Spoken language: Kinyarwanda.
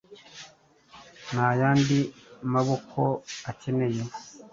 ntayandi maboko akeneye!